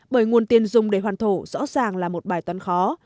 bởi nguồn tiền dùng để hoàn thổ rõ ràng là một bài toán khó